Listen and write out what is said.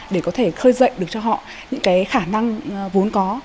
để có thể khơi dậy được cho họ những cái khả năng vốn có